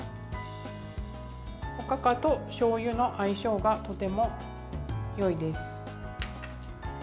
おかかと、しょうゆの相性がとてもよいです。